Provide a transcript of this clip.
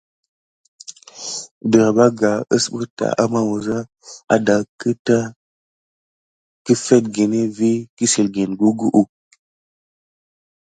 Derɓaga usɓeta ama wuza, adahek keta kəfekgeni vi kəsilgen gugu ə.